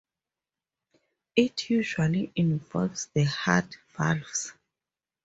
It usually involves the heart valves.